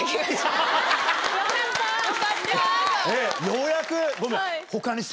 ようやく？